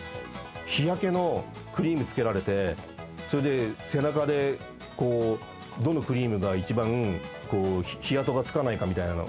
日焼けのクリームつけられて、それで背中でどのクリームが一番、日跡がつかないかみたいなの。